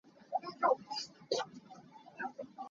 Thla thum ka cawm cang.